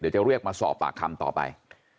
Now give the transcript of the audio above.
เดี๋ยวจะเรียกมาสอบปากคำต่อไป